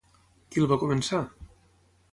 Qui el va començar?